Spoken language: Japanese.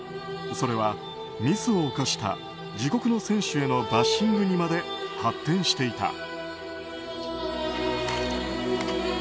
それはミスを犯した自国の選手へのバッシングにまで発展していた。